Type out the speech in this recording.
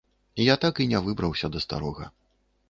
Я так і не выбраўся да старога.